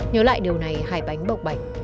nhớ lại điều này hải bánh bọc bạch